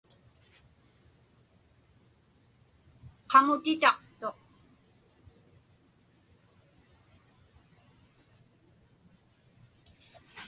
Qamutitaqtuq.